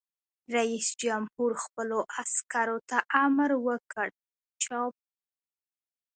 رئیس جمهور خپلو عسکرو ته امر وکړ؛ چپ!